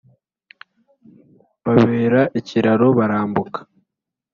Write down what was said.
Mbabera ikiraro barambuka